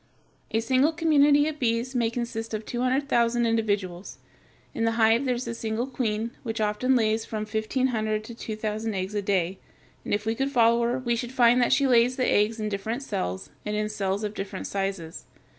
A single community of bees may consist of two hundred thousand individuals. In the hive there is a single queen, which often lays from fifteen hundred to two thousand eggs a day, and if we could follow her, we should find that she lays the eggs in different cells, and in cells of different sizes.